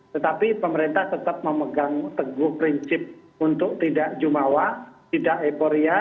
tetapi pemerintah tetap memegang teguh prinsip untuk tidak jumawa tidak eporia